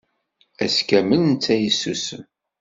Ass kamel, netta yessusem.